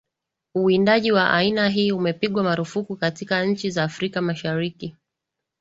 uwindaji wa aina hii umepigwa marufuku katika nchi za Afrika Mashariki